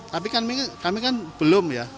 tapi kami kan belum ya